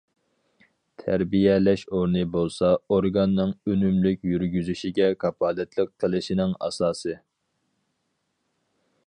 تەربىيەلەش ئورنى بولسا ئورگاننىڭ ئۈنۈملۈك يۈرگۈزۈشىگە كاپالەتلىك قىلىشىنىڭ ئاساسى.